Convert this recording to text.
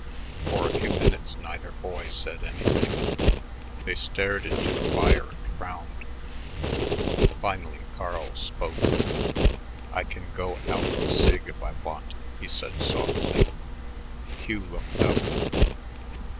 For a few minutes neither boy said anything; they stared into the fire and frowned. Finally Carl spoke. "I can go Alpha Sig if I want," he said softly. Hugh looked up.